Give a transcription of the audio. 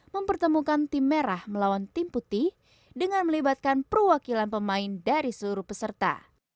mempertemukan tim merah melawan tim putih dengan melibatkan perwakilan pemain dari seluruh peserta